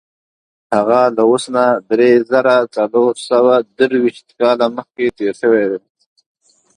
هغه له اوس نه دری زره څلور سوه درویشت کاله مخکې تېر شوی دی.